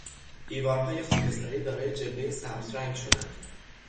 دیوارهای خاکستری دارای جلوهی سبز رنگ شدند.